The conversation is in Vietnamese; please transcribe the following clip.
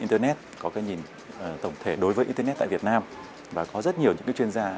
ở trên không gian mạng